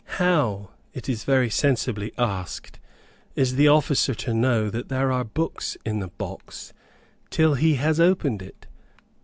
How, it is very sensibly asked, is the officer to know that there are books in the box till he has opened it?